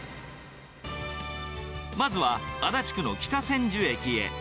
まずは、足立区の北千住駅へ。